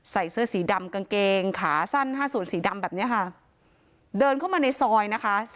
ใส่เสื้อสีดำกางเกงขาสั้นห้าส่วนสีดำแบบเนี้ยค่ะเดินเข้ามาในซอยนะคะ